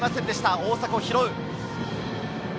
大迫が拾う。